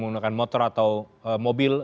menggunakan motor atau mobil